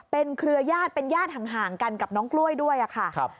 เป็นเครือญาติเป็นญาติห่างกันกับน้องกล้วยด้วยค่ะ